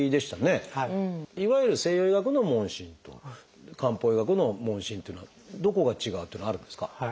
いわゆる西洋医学の問診と漢方医学の問診っていうのはどこが違うっていうのはあるんですか？